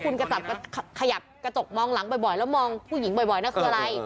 คุณขยับกระจกมองหลังบ่อยแล้วมองผู้หญิงบ่อยนะคืออะไร